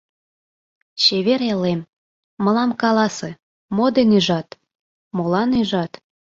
Чевер элем, мылам каласе, Мо ден ӱжат, молан ӱжат?